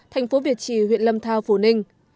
thành phố việt trì huyện lâm thao phủ ninh